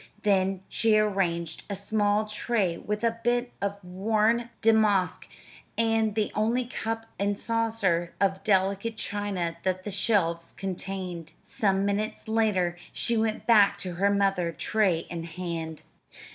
Then she arranged a small tray with a bit of worn damask and the only cup and saucer of delicate china that the shelves contained. Some minutes later she went back to her mother, tray in hand.